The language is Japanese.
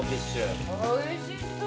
おいしそう。